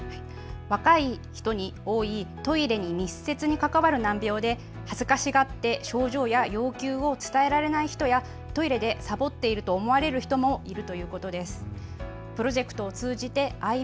若い人に多いトイレに密接に関わる難病で恥ずかしがって症状や要求を伝えられない人やトイレでさぼっている人と思われるという人もいる。